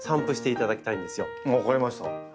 分かりました。